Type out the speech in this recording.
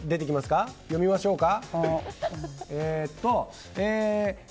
読みましょうか。